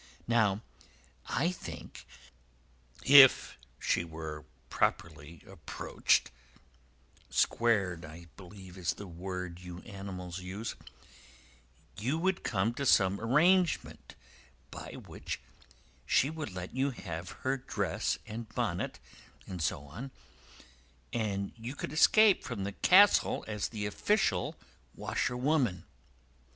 Now, I think if she were properly approached—squared, I believe is the word you animals use—you could come to some arrangement by which she would let you have her dress and bonnet and so on, and you could escape from the castle as the official washerwoman.